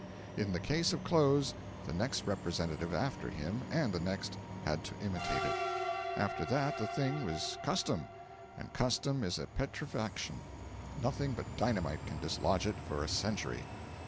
In the case of clothes, the next representative after him, and the next, had to imitate it. After that, the thing was custom; and custom is a petrifaction: nothing but dynamite can dislodge it for a century.